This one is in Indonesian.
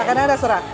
karena ada suara